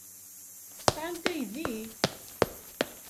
Sɛant aydi?